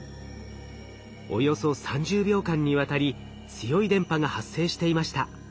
およそ３０秒間にわたり強い電波が発生していました。